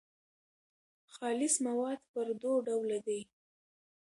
خالص مواد پر دوو ډولو دي.